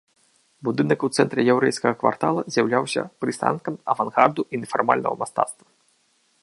Будынак у цэнтры яўрэйскага квартала з'яўляўся прыстанкам авангарду і нефармальнага мастацтва.